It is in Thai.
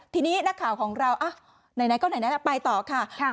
ทีนี้นักข่าวของเราไหนก็ไหนไปต่อค่ะ